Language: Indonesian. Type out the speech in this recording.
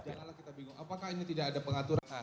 apakah ini tidak ada pengaturan